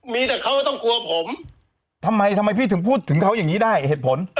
มีแต่เขาต้องกลัวผมทำไมทำไมพี่ถึงพูดถึงเขาอย่างนี้ได้เหตุผล